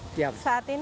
tiap saat ini